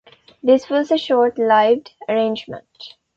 This was a short-lived arrangement.